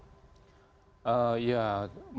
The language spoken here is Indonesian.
ya modifikasi cuaca